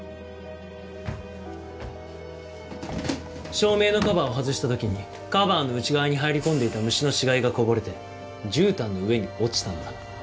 照明のカバーを外した時にカバーの内側に入り込んでいた虫の死骸がこぼれてじゅうたんの上に落ちたんだ。